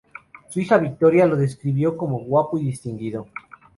Su hija Victoria lo describió como guapo y distinguido.